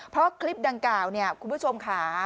เพราะคลิปดังกล่าวเนี่ยคุณผู้ชมค่ะ